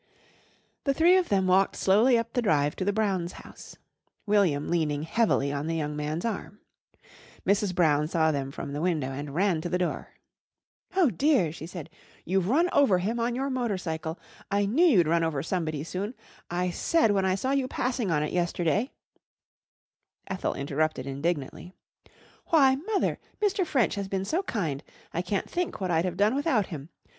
The three of them walked slowly up the drive to the Brown's house, William leaning heavily on the young man's arm. Mrs. Brown saw them from the window and ran to the door. "Oh, dear!" she said. "You've run over him on your motor cycle. I knew you'd run over somebody soon. I said when I saw you passing on it yesterday " Ethel interrupted indignantly. "Why, Mother, Mr. French has been so kind. I can't think what I'd have done without him.